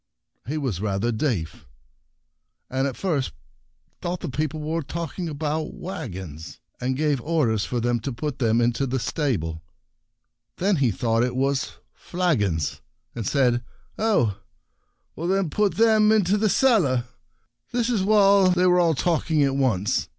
He was rather deaf, and at first thought the people were talking about " waggons," and gave orders to put them Alarm Waggons 36 The Prince Flagons into the stable ; then he thought it was " flagons," and said, " Oh — then put them into the cellar !" This was while they were all talking at once.